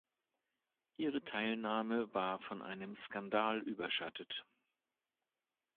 Ihre Teilnahme war von einem Skandal überschattet.